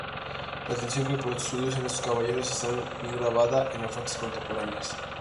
La tensión que producen estos caballeros está bien grabada en las fuentes contemporáneas.